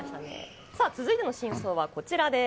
続いての真相はこちらです。